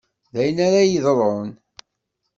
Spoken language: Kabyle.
D ayen ara d-yeḍrun.